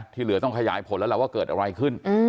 ที่เหลือต้องขยายผลแล้วล่ะว่าเกิดอะไรขึ้น